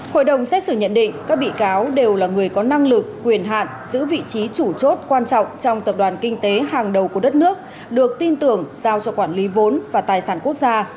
hội đồng xét xử nhận định các bị cáo đều là người có năng lực quyền hạn giữ vị trí chủ chốt quan trọng trong tập đoàn kinh tế hàng đầu của đất nước được tin tưởng giao cho quản lý vốn và tài sản quốc gia